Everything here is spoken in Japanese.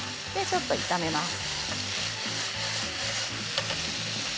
ちょっと炒めます。